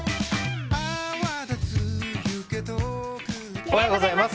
おはようございます。